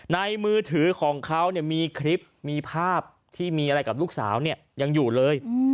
มือถือของเขามีคลิปมีภาพที่มีอะไรกับลูกสาวเนี่ยยังอยู่เลย